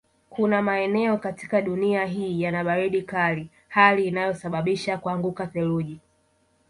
Kuna maeneo katika dunia hii yana baridi kali hali inayosabisha kuanguka theluji